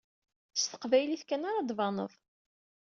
S teqbaylit kan ara ad tbaneḍ.